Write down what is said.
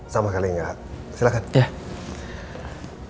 sama kali nggak silahkan